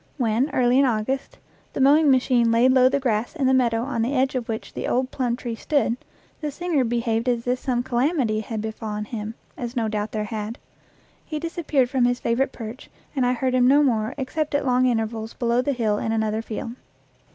When, early in August, the mowing machine laid low the grass in the meadow on the edge of which the old plum tree stood, the singer be haved as if some calamity had befallen him, as no doubt there had. He disappeared from his favorite perch, and I heard him no more except at long intervals below the hill in another field.